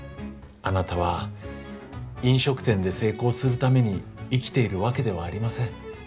あなたは飲食店で成功するために生きているわけではありません。